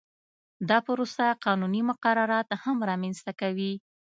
دا پروسه قانوني مقررات هم رامنځته کوي